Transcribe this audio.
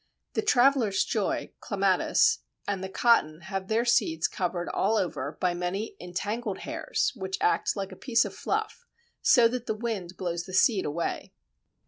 The Traveller's Joy (Clematis) and the Cotton have their seeds covered all over by many entangled hairs, which act like a piece of fluff, so that the wind blows the seed away.